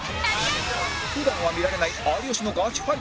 普段は見られない有吉のガチファイトに